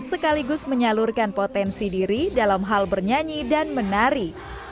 sekaligus menyalurkan potensi diri dalam hal bernyanyi dan menari